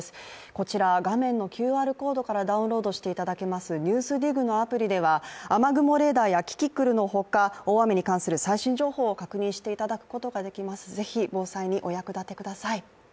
こちら、画面のＱＲコードからダウンロードできる「ＮＥＷＳＤＩＧ」のアプリでは雨雲レーダーやキキクルのほか、大雨に関する最新情報を確認していただくことができます。是非、防災にお役立てください。